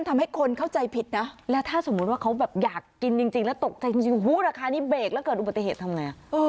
มันเป็นโลโก้ร้าน